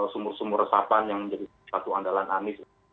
sumur sumur resapan yang jadi satu andalan anis